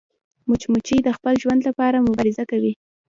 مچمچۍ د خپل ژوند لپاره مبارزه کوي